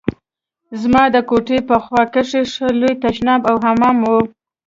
زما د کوټې په خوا کښې ښه لوى تشناب او حمام و.